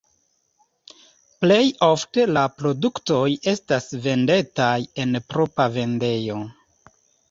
Plej ofte la produktoj estas vendataj en propra vendejo.